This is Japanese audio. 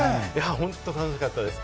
ほんとに楽しかったです。